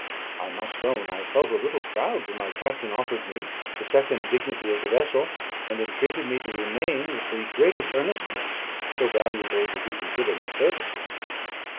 I must own I felt a little proud, when my captain offered me the second dignity in the vessel, and entreated me to remain with the greatest earnestness; so valuable did he consider my services.